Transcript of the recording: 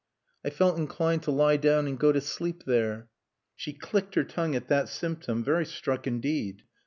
"I felt inclined to lie down and go to sleep there." She clicked her tongue at that symptom, very struck indeed.